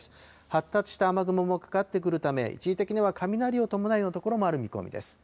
発達した雨雲もかかってくるため、一時的には雷を伴う所もある見込みです。